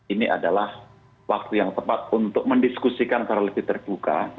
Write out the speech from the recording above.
ini adalah waktu yang tepat untuk mendiskusikan secara lebih terbuka